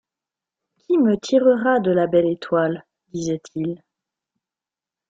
Qui me tirera de la belle étoile? disait-il.